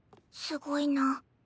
すごいな。